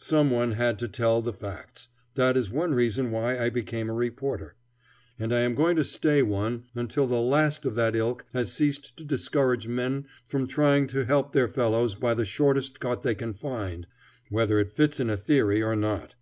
Some one had to tell the facts; that is one reason why I became a reporter. And I am going to stay one until the last of that ilk has ceased to discourage men from trying to help their fellows by the shortest cut they can find, whether it fits in a theory or not.